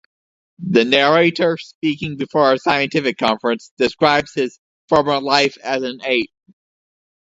The narrator, speaking before a scientific conference, describes his former life as an ape.